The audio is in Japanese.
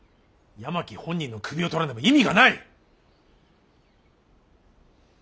山木本人の首を取らねば意味がない。